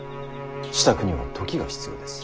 支度には時が必要です。